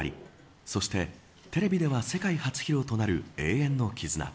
そしてテレビでは世界初披露となる永遠の絆。